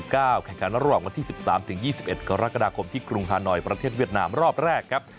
แข่งขันระหว่างวันที่๑๓๒๑กรกฎาคมที่กรุงฮานอยประเทศเวียดนามรอบแรกครับ